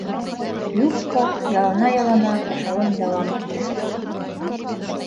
Любка ялана-ялана ашауын дауам итте.